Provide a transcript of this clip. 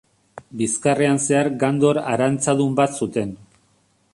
Bizkarrean zehar gandor arantzadun bat zuten.